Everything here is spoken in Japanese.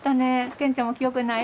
健ちゃんも記憶ない？